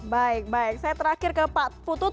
baik baik saya terakhir ke pak putut